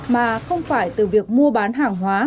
mà không phải từ việc mua bán hàng hóa